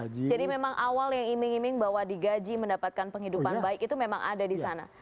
jadi memang awal yang iming iming bahwa digaji mendapatkan penghidupan baik itu memang ada di sana